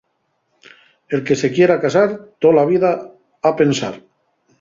El que se quiera casar, tola vida lo ha pensar.